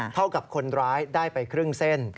เท่ากับคนร้ายได้ไปครึ่งเส้น